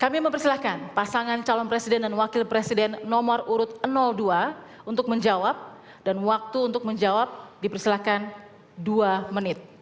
kami mempersilahkan pasangan calon presiden dan wakil presiden nomor urut dua untuk menjawab dan waktu untuk menjawab dipersilakan dua menit